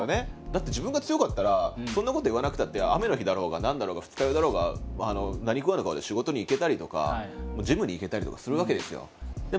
だって自分が強かったらそんなことを言わなくたって雨の日だろうが何だろうが二日酔いだろうが何食わぬ顔で仕事に行けたりとかジムに行けたりとかするわけですよ。